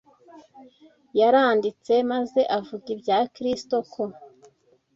yaranditse maze avuga ibya Kristo ko